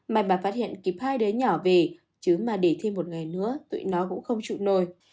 may bà phát hiện kịp hai đứa nhỏ về chứ mà để thêm một ngày nữa tụi nó cũng không trụ nồi